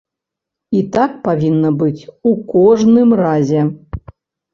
І так павінна быць у кожным разе.